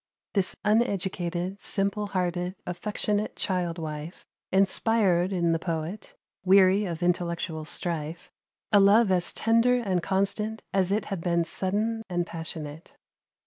This uneducated, simple hearted, affectionate child wife inspired in the poet, weary of intellectual strife, a love as tender and constant as it had been sudden and passionate.